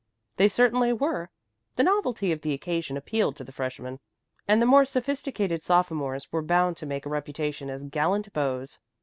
They certainly were. The novelty of the occasion appealed to the freshmen, and the more sophisticated sophomores were bound to make a reputation as gallant beaux.